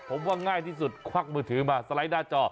ผมว่าง่ายที่สุดควักมือถือมาสไลด์หน้าจอ